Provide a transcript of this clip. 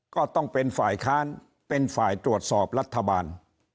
ก็ต้องเป็นฝ่ายค้านเป็นฝ่ายตรวจสอบรัฐบาล